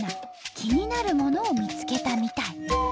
気になるものを見つけたみたい。